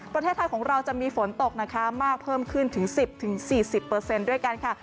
ประเทศไทยของเราจะมีฝนตกนะคะมากเพิ่มขึ้นถึง๑๐๔๐ด้วยกันค่ะ